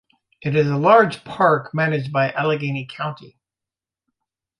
It is a large park managed by Allegheny County.